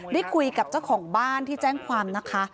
ได้คุยกับเจ้าของบ้านที่แจ้งความนะคะ